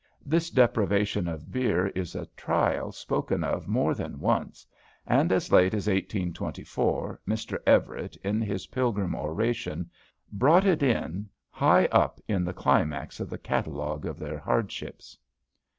This deprivation of beer is a trial spoken of more than once; and, as lately as 1824, Mr. Everett, in his Pilgrim oration, brought it in high up in the climax of the catalogue of their hardships.